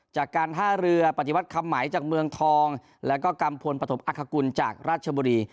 จากการท่าเรือปฏิวัติคำไหมจากเมืองทองแล้วก็กัมพลปฐมอักษกุลจากราชบุรี